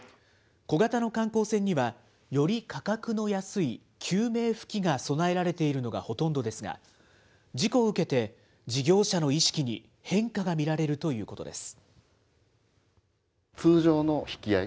小型の観光船には、より価格の安い救命浮器が備えられているのがほとんどですが、事故を受けて、事業者の意識に変化が見られるということです。